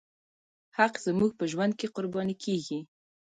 حق زموږ په ژوند کې قرباني کېږي.